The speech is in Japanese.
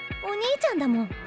お兄ちゃんだもん。